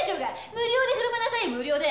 無料で振る舞いなさいよ無料で。